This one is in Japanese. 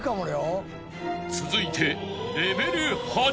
［続いて］